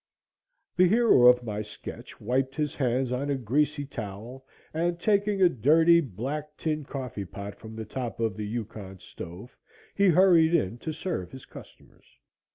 The hero of my sketch wiped his hands on a greasy towel and, taking a dirty, black tin coffee pot from the top of the Yukon stove, he hurried in to serve his customers.